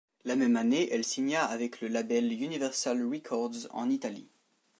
La même année, elle signa avec le label Universal Records en Italie.